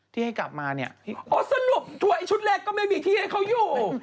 ที่ให้กลับมาเนี่ยอ๋อสรุปถั่วไอชุดแรกก็ไม่มีที่ให้เขาอยู่